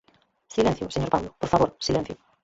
Silencio, señor Paulo, por favor, silencio.